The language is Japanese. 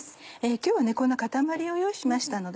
今日はこんな塊を用意しましたので。